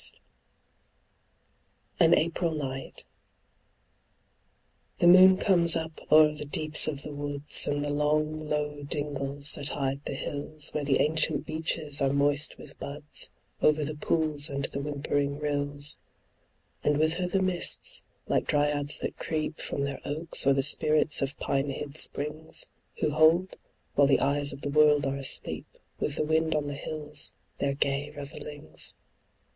45 AN APRIL NIGHT The moon comes up o'er the deeps of the woods, And the long, low dingles that hide in the hills, Where the ancient beeches are moist with buds Over the pools and the whimpering rills; And with her the mists, like dryads that creep From their oaks, or the spirits of pine hid springs, Who hold, while the eyes of the world are asleep. With the wind on the hills their gay revellings.